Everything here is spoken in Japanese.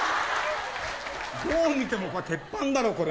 どう見ても鉄板だろこれ。